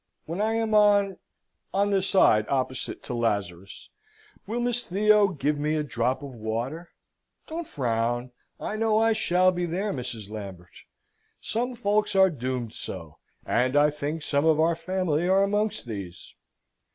When I am on on the side opposite to Lazarus, will Miss Theo give me a drop of water? Don't frown! I know I shall be there, Mrs. Lambert. Some folks are doomed so; and I think some of our family are amongst these.